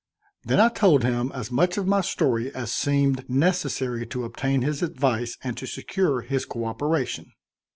Then I told him as much of my story as seemed necessary to obtain his advice and to secure his cooperation.